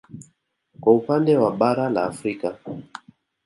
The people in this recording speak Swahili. Kwa upande wa bara la Afrika